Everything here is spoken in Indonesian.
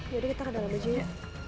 yaudah kita ke dalam aja ya